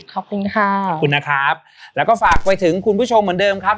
ขอบคุณค่ะขอบคุณนะครับแล้วก็ฝากไปถึงคุณผู้ชมเหมือนเดิมครับ